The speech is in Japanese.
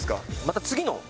また次の。